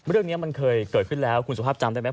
เรื่องนี้มันเคยเกิดขึ้นแล้วคุณสุภาพจำได้ไหม